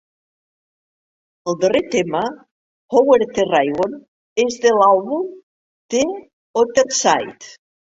El darrer tema, "Over the Rainbow", és de l'àlbum "The Other Side".